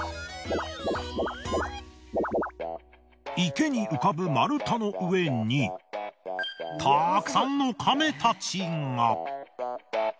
池に浮かぶ丸太の上にたくさんのカメたちが。